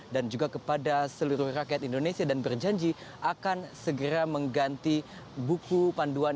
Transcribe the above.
dan juga kepada seluruh rakyat indonesia dan berjanji akan segera mengganti buku panduan